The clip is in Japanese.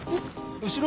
後ろ